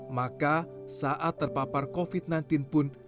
maka saat terpapar covid sembilan belas pun